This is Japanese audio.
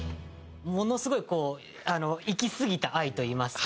ものすごいこういきすぎた愛といいますか。